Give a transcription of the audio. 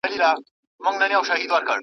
زه هره ورځ پښې هم مینځم.